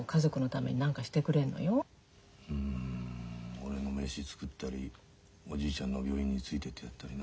俺の飯作ったりおじいちゃんの病院についてってやったりな。